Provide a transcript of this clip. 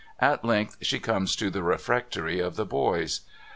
At length she comes to the refectory of the boys.